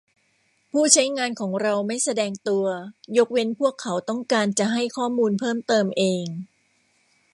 ผู้ใช้งานของเราไม่แสดงตัว ยกเว้นพวกเขาต้องการจะให้ข้อมูลเพิ่มเติมเอง